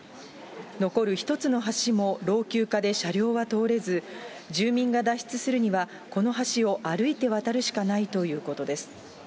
残る１つの橋も老朽化で車両は通れず、住民が脱出するためには、この橋を歩いて渡るしかないということです。